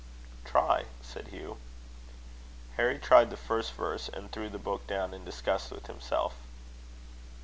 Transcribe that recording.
"Try," said Hugh. Harry tried the first verse, and threw the book down in disgust with himself.